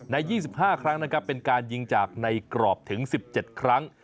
ใน๒๕ครั้งนะครับเป็นการยิงจากในกรอบถึง๑๗ครั้ง